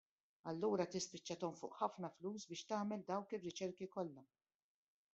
Allura tispiċċa tonfoq ħafna flus biex tagħmel dawk ir-riċerki kollha.